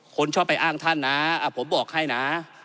คนชอบไปอ้างท่านนะผมบอกให้นะ